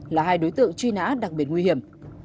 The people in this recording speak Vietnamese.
là hai đối tượng truy nã đặc biệt nguy hiểm